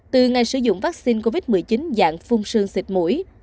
từ ngày sử dụng vaccine covid một mươi chín dạng phung xương xịt mũi